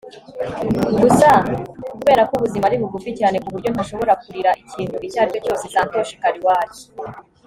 gusa kubera ko ubuzima ari bugufi cyane ku buryo ntashobora kurira ikintu icyo ari cyo cyose. - santosh kalwar